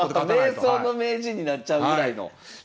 迷走の迷人になっちゃうぐらいの。